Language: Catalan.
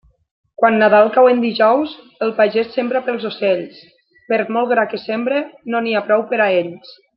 Quan Nadal cau en dijous, el pagés sembra pels ocells; per molt gra que sembre no n'hi ha prou per a ells.